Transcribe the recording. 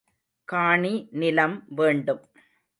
காணி நிலம் வேண்டும்.